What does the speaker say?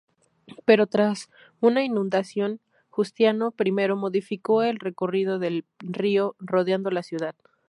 Pero tras una inundación, Justiniano I modificó el recorrido del río, rodeando la ciudad.